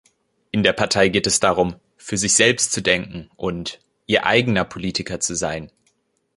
In der Partei geht es darum, "für sich selbst zu denken" und "Ihr eigener Politiker zu sein".